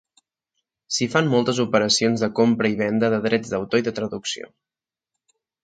S'hi fan moltes operacions de compra i venda de drets d'autor i de traducció.